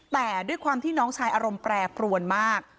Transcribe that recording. แต่ด้วยความที่น้องชายอารมณ์แปรปรวนมาก